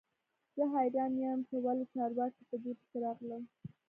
زه حیران یم چې ولې چارواکي په دې پسې راغلل